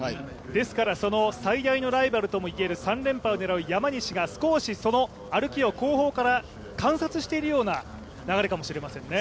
ですからその最大のライバルともいえる３連覇を狙う山西が少し歩きを後方から観察しているような流れかもしれませんね。